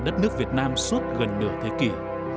đất nước việt nam suốt gần nửa thế kỷ